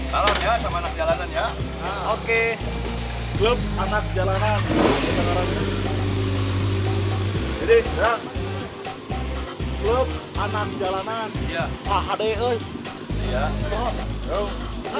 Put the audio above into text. malam ya sama anak jalanan ya